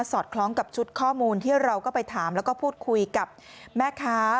อดคล้องกับชุดข้อมูลที่เราก็ไปถามแล้วก็พูดคุยกับแม่ค้า